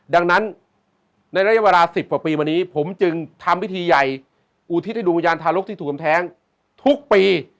ดังนั้นในระยะเวลา๑๐กว่าปีมานี้ผมจึงทำพิธีใหญ่อุทิศให้ดวงวิญญาณทารกที่ถูกทำแท้งทุกปี